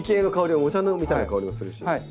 お茶みたいな香りがする。